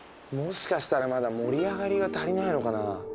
もしかしたらまだ盛り上がりが足りないのかなぁ。